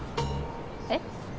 えっ？